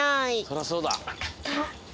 そらそうだ。